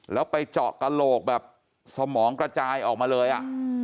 แล้วไปเจาะกระโหลกแบบสมองกระจายออกมาเลย